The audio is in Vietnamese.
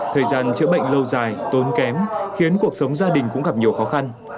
thời gian chữa bệnh lâu dài tốn kém khiến cuộc sống gia đình cũng gặp nhiều khó khăn